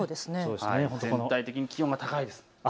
全体的に気温が高いです。